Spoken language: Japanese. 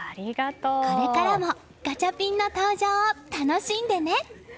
これからもガチャピンの登場を楽しんでね。